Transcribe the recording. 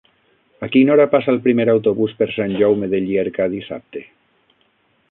A quina hora passa el primer autobús per Sant Jaume de Llierca dissabte?